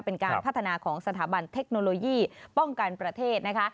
เป็นการพัฒนาของสถาบันเทคโนโลยีป้องกันประเทศนะคะ